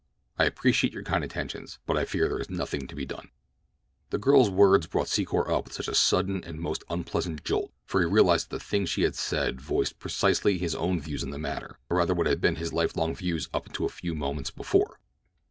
I appreciate your kind intentions, but I fear there is nothing to be done." The girl's words brought Secor up with a sudden and most unpleasant jolt, for he realized that the thing she had said voiced precisely his own views in the matter, or rather what had been his lifelong views up to a few moments before.